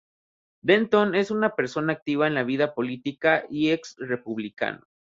Denton es una persona activa en la vida política y ex republicano.